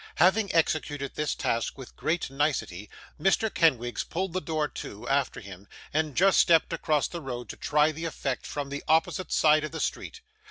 Having executed this task with great nicety, Mr. Kenwigs pulled the door to, after him, and just stepped across the road to try the effect from the opposite side of the street.